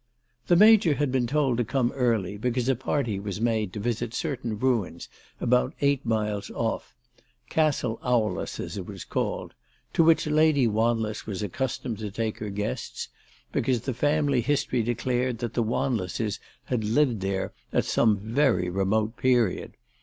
The Major had been told to come early, because a party was made to visit certain ruins about eight miles off, Castle Owless, as it was called, to which Lady Wanless was accustomed to take her guests, because the family history declared that the Wanlesses had lived there at some very remote period.